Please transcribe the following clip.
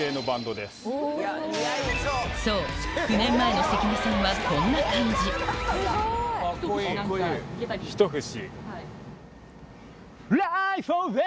そう９年前の関根さんはこんな感じ一節。